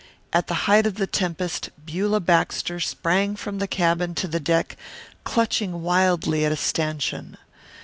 At the height of the tempest Beulah Baxter sprang from the cabin to the deck, clutching wildly at a stanchion.